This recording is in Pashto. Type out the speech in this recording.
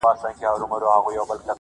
ته به خبره نه یې -